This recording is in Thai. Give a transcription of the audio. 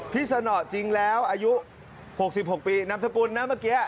สนอจริงแล้วอายุ๖๖ปีนามสกุลนะเมื่อกี้